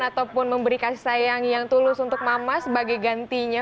ataupun memberi kasih sayang yang tulus untuk mama sebagai gantinya